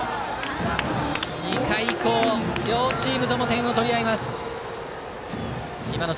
２回以降両チームとも点を取り合います。